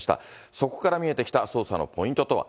そこから見えてきた捜査のポイントとは。